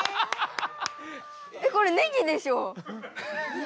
えこれねぎでしょう？